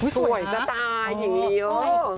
สวยสตาย์อย่างนี้